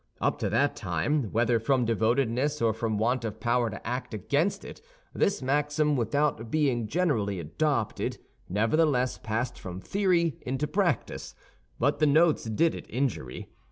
Up to that time, whether from devotedness or from want of power to act against it, this maxim, without being generally adopted, nevertheless passed from theory into practice; but the notes did it injury.